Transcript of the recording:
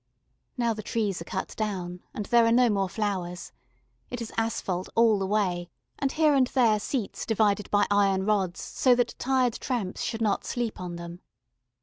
Now the trees are cut down and there are no more flowers. It is asphalt all the way, and here and there seats divided by iron rods so that tired tramps should not sleep on them.